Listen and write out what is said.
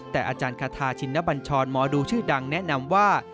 แต่อาจารย์คาทาชินบัญชรหมอดูชื่อดังแนะนำว่า